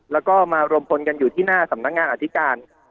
แล้วก็มารวมพลกันอยู่ที่หน้าสำนักงานอธิการ